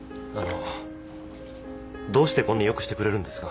どうしてこんなによくしてくれるんですか？